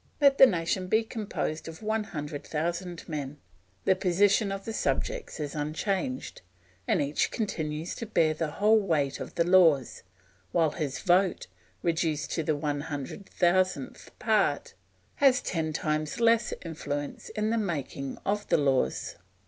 Let the nation be composed of one hundred thousand men, the position of the subjects is unchanged, and each continues to bear the whole weight of the laws, while his vote, reduced to the one hundred thousandth part, has ten times less influence in the making of the laws.